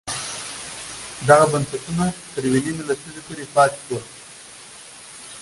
دغه بنسټونه تر یوې نیمې لسیزې پورې پاتې شول.